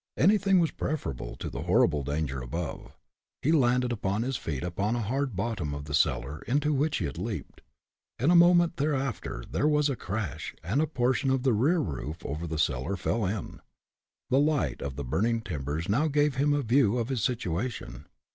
Anything was preferable to the horrible danger above. He landed upon his feet upon a hard bottom of the cellar into which he had leaped. In a moment thereafter there was a crash, and a portion of the rear roof over the cellar fell in. The light of the burning timbers now gave him a view of his situation.